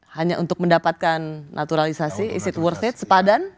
hanya untuk mendapatkan naturalisasi is it worth it sepadan